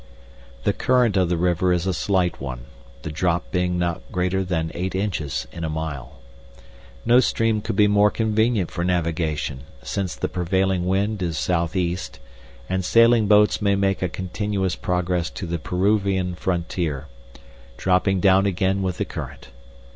The current of the river is a slight one, the drop being not greater than eight inches in a mile. No stream could be more convenient for navigation, since the prevailing wind is south east, and sailing boats may make a continuous progress to the Peruvian frontier, dropping down again with the current.